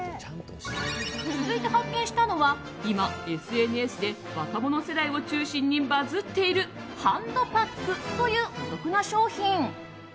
続いて発見したのは今、ＳＮＳで若者世代を中心にバズっているハンドパックというお得な商品。